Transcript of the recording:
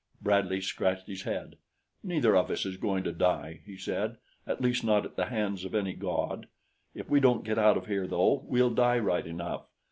Bradley scratched his head. "Neither of us is going to die," he said; "at least not at the hands of any god. If we don't get out of here though, we'll die right enough.